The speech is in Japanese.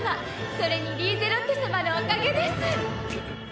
それにリーゼロッテ様のおかげです。